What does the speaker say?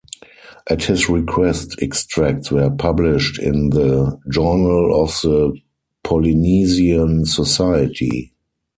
At his request, extracts were published in the "Journal of the Polynesian Society".